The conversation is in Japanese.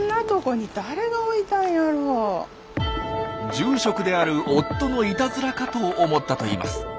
住職である夫のいたずらかと思ったといいます。